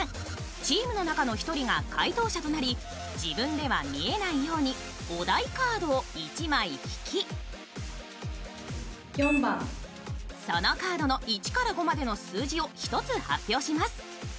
チームの中の１人が回答者となり自分では見えないようにお題カードを１枚引きそのカードの１から５までの数字を１つ発表します。